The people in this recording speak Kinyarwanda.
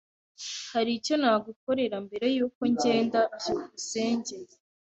Hari icyo nagukorera mbere yuko ngenda? byukusenge